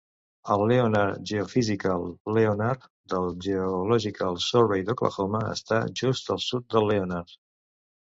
El Leonard Geophysical Leonard del Geological Survey d'Oklahoma està just al sud de Leonard.